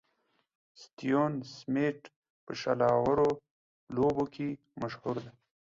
ستيون سميټ په شل اورو لوبو کښي مشهوره ده.